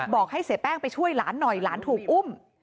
บอกให้เสียแป้งไปช่วยหลานหน่อยหลานถูกอุ้ม